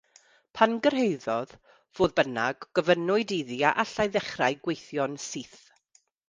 Pan gyrhaeddodd, fodd bynnag, gofynnwyd iddi a allai ddechrau gweithio'n syth.